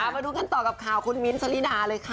มาดูกันต่อกับข่าวคุณมิ้นทะลิดาเลยค่ะ